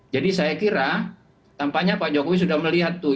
jadi saya kira tampaknya pak jokowi sudah melihat tuh